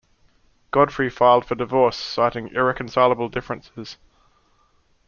Godfrey filed for divorce, citing irreconcilable differences.